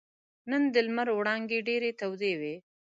نن د لمر وړانګې ډېرې تودې وې.